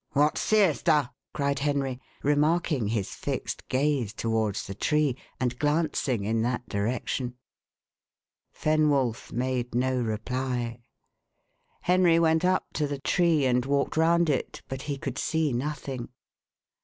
"What seest thou?" cried Henry, remarking his fixed gaze towards the tree, and glancing in that direction. Fenwolf made no reply. Henry went up to the tree, and walked round it, but he could see nothing.